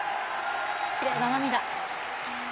きれいな涙。